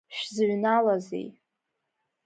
Шәзыҩналазеи?!